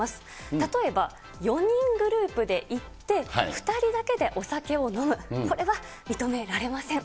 例えば４人グループで行って、２人だけでお酒を飲む、これは認められません。